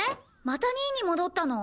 また２位に戻ったの？